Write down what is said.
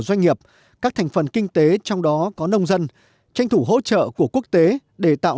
doanh nghiệp các thành phần kinh tế trong đó có nông dân tranh thủ hỗ trợ của quốc tế để tạo